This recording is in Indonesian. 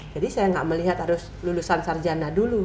jadi saya tidak melihat harus lulusan sarjana dulu